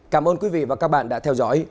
cảm ơn quý vị và các bạn đã theo dõi